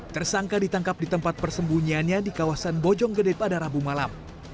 tersangka ditangkap di tempat persembunyiannya di kawasan bojonggede pada rabu malam